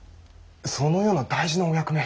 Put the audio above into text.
そのような大事なお役目。